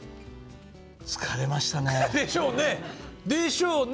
疲れましたね。でしょうねでしょうね！